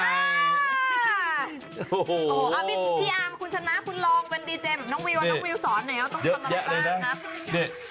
พี่อาร์มคุณชนะคุณลองเป็นดีเจแบบน้องวิวว่าน้องวิวสอนหน่อยว่าต้องทำอะไรบ้างครับ